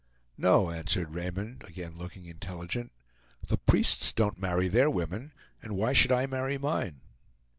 "No," answered Raymond, again looking intelligent; "the priests don't marry their women, and why should I marry mine?"